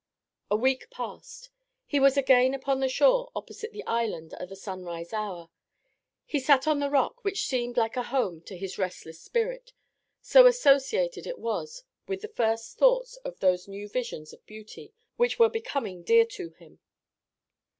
A week passed; he was again upon the shore opposite the island at the sunrise hour. He sat on the rock which seemed like a home to his restless spirit, so associated it was with the first thoughts of those new visions of beauty which were becoming dear to him.